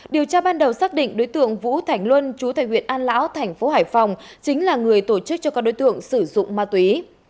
điều tra ban đầu xác định đối tượng vũ thảnh luân chú thầy huyện an lão thành phố hải phòng chính là người tổ chức cho các đối tượng sử dụng ma túy